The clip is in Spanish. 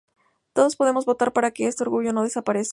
Todos podemos votar para que este orgullo no desaparezca.